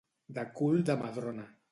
De cul de madrona.